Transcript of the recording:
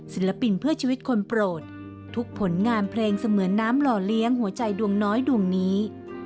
ศิลปินเพื่อชีวิตคนโปรดทุกผลงานเพลงเสมือนน้ำหล่อเลี้ยงหัวใจดวงน้อยดวงนี้